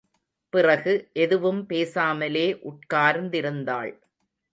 பிறகு, எதுவும் பேசாமலே உட்கார்ந்திருந்தாள்.